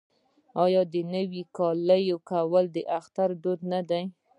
آیا نوی کالی کول د اختر دود نه دی؟